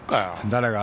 誰が？